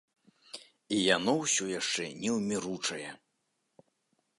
І яно ўсё яшчэ неўміручае.